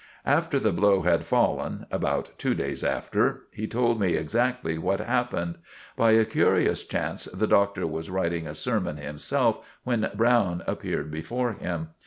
After the blow had fallen—about two days after—he told me exactly what happened. By a curious chance the Doctor was writing a sermon himself when Browne appeared before him.